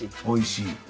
おいしい？